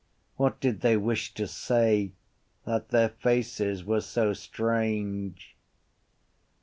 What did they wish to say that their faces were so strange?